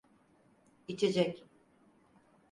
İçecek.